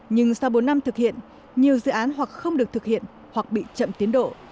nhưng sau bốn năm thực hiện nhiều dự án hoặc không được thực hiện hoặc bị chậm tiến độ